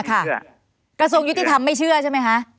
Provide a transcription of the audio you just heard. กระทรวงยุติธรรมไม่เชื่อใช่ไหมคะ